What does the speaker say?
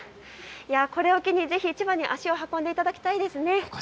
これを機にぜひ千葉に足を運んでいただきたいですね。